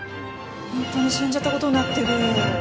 本当に死んじゃった事になってる。